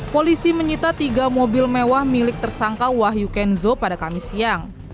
polisi menyita tiga mobil mewah milik tersangka wahyu kenzo pada kamis siang